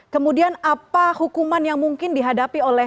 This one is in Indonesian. kemudian apa hukuman yang mungkin dihadapi oleh